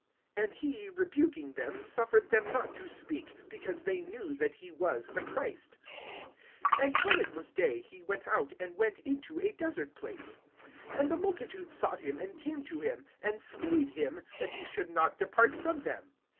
And he, rebuking them, suffered them not to speak, because they knew that he was the Christ. (42)And when it was day he went out, and went into a desert place. And the multitudes sought him, and came to him, and stayed him, that he should not depart from them.